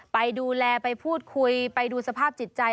ไปดูแลไปพูดคุยไปดูสภาพจิตใจ